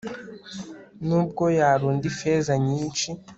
nubwo yarunda ifeza nyinshi